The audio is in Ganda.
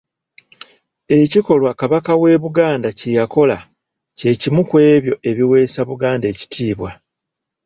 Ekikolwa Kabaka w'e Buganda kye yakola kye kimu ku ebyo ebiweesa Buganda ekitiibwa.